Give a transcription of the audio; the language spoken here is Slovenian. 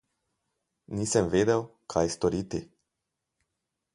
Nisem vedel, kaj storiti.